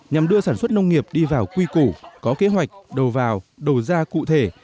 nhằm đưa sản xuất nông nghiệp đi vào quy củ có kế hoạch đầu vào đầu ra cụ thể